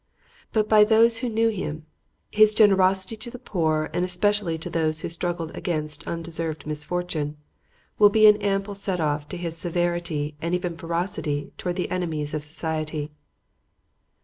But by those who knew him, his generosity to the poor, and especially to those who struggled against undeserved misfortune, will be an ample set off to his severity and even ferocity towards the enemies of society.